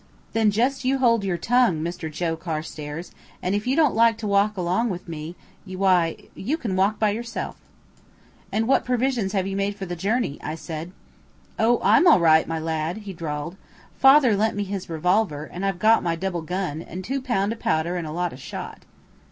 "Then just you hold your tongue, Mister Joe Carstairs; and if you don't like to walk along with me, why you can walk by yourself." "And what provisions have you made for the journey?" I said. "Oh, I'm all right, my lad!" he drawled. "Father lent me his revolver, and I've got my double gun, and two pound o' powder and a lot o' shot."